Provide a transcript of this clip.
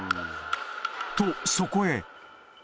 と、そこへ。